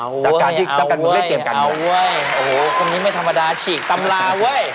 อ๋อเว้ยเอ้าเว้ยเอ้าเว้ยโอ้โฮคนนี้ไม่ธรรมดาชิกตำลาเว้ยอ๋อ